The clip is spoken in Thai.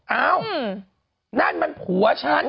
เอ้านั่นมันผัวฉัน